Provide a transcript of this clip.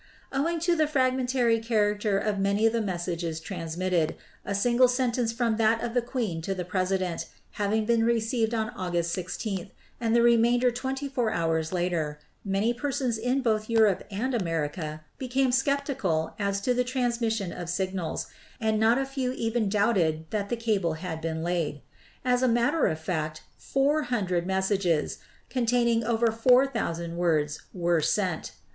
Owing to the fragmentary character of many of the messages transmitted, a single sentence from that of the Queen to the President having been received on August 16, and the remainder twenty four hours later, many per sons in both Europe and America became skeptical as to the transmission of signals, and not a few even doubted that the cable had been laid. As a matter of fact, four hundred messages, containing over four thousand words, were sent.